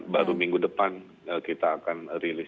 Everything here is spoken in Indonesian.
baru minggu depan kita akan rilis